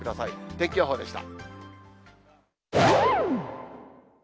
天気予報でした。